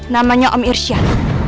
namanya om irsyan